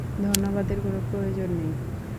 ধন্যবাদের কোন প্রয়োজন নেই।